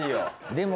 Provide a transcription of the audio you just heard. でも。